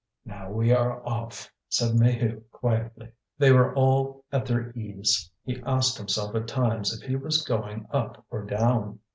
"Now we are off," said Maheu quietly. They were all at their ease. He asked himself at times if he was going up or down.